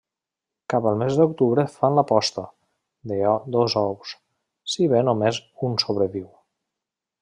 Cap al mes d'octubre fan la posta, de dos ous, si bé només un sobreviu.